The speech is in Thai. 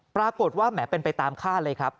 ปรากฏว่าแหมเป็นไปตามฆ่าเลยครับ